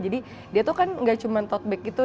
jadi dia tuh kan nggak cuma tote bag gitu